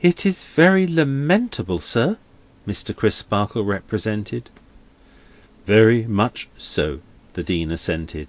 "It is very lamentable, sir," Mr. Crisparkle represented. "Very much so," the Dean assented.